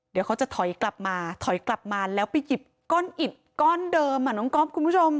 เดี๋ยวเขาจะถอยกลับมาถอยกลับมาแล้วไปหยิบก้อนอิดก้อนเดิมอ่ะน้องก๊อฟคุณผู้ชม